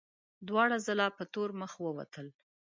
دواړه ځله په تور مخ ووتل.